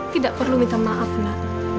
tidak perlu minta maaf mbak